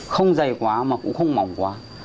không dày quá mà cũng không mỏng quá